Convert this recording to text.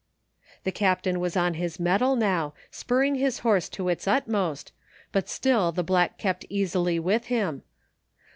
The Captain was on his mettle now, spurring his horse to its utmost, but still the black kept easily with him.